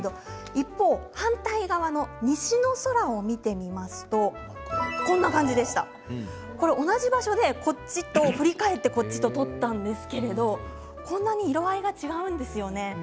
一方、反対側の西の空を見てみますと同じ場所で振り返って撮ったんですけれどこんなに色合いが違うんですね。